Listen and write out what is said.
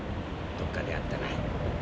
どっかで会ったな。